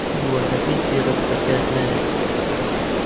گوارەکەی زێڕت بەکار نایە